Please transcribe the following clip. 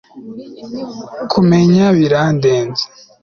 kumenya birandenze